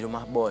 di rumah boy